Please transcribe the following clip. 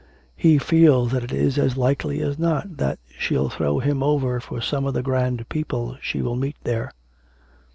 He feels that it is as likely as not that she'll throw him over for some of the grand people she will meet there.'